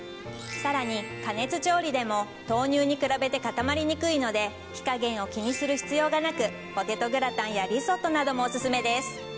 さらに加熱調理でも豆乳に比べて固まりにくいので火加減を気にする必要がなくポテトグラタンやリゾットなどもお薦めです。